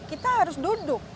kita harus duduk